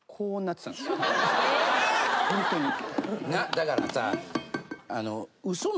だからさ。